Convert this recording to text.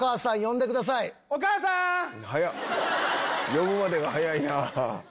呼ぶまでが早いなぁ。